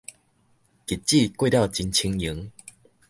日子過了真清閒